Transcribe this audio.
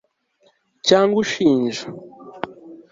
cyangwa ushinja